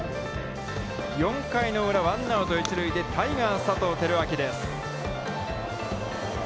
４回裏、ワンアウト、一塁で、タイガース佐藤輝明です。